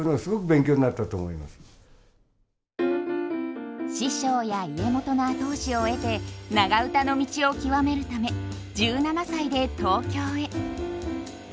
そういうの師匠や家元の後押しを得て長唄の道を究めるため１７歳で東京へ。